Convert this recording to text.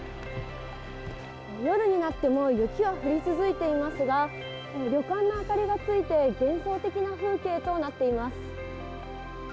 夜になっても雪は降り続いていますが、旅館の明かりがついて幻想的な風景となっています。